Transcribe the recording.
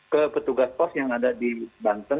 ke petugas pos yang ada di banten